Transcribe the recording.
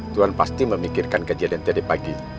tuhan pasti memikirkan kejadian tadi pagi